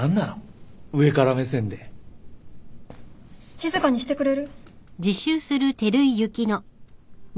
静かにしてくれる？